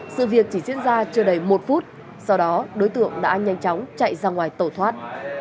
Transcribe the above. sự việc chỉ diễn ra chưa đầy một phút sau đó đối tượng đã nhanh chóng chạy ra ngoài tẩu thoát